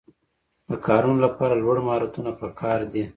د کارونو لپاره لوړ مهارتونه پکار دي.